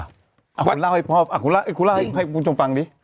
อ่ะคุณเล่าให้พ่ออ่ะคุณเล่าให้คุณชมฟังดิ